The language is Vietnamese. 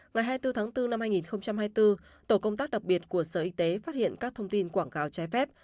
ngày hai mươi bốn tháng bốn năm hai nghìn hai mươi bốn tổ công tác đặc biệt của sở y tế phát hiện các thông tin quảng cáo trái phép